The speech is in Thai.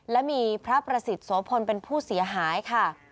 และมีพระประสิทธิ์โสพลเป็นผู้เสียหายค่ะ